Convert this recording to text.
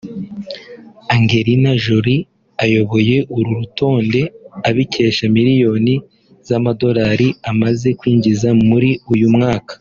Angelina Jolie ayoboye uru rutonde abikesha miliyoni z’amadolari amaze kwinjiza muri uyu mwaka